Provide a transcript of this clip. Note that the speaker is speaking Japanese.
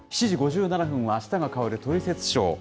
７時５７分はあしたが変わるトリセツショー。